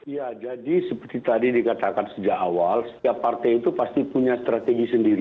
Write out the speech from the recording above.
ya jadi seperti tadi dikatakan sejak awal setiap partai itu pasti punya strategi sendiri